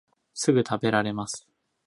すぐたべられます